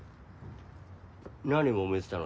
何もめてたの？